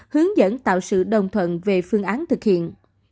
hướng dẫn tạo sự đồng thuận về phương án thực hiện